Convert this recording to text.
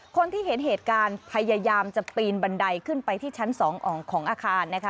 คนที่เห็นเหตุการณ์พยายามจะปีนบันไดขึ้นไปที่ชั้น๒ของอาคารนะคะ